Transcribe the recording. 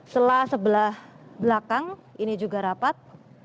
sela sebelah belakang ini juga rapat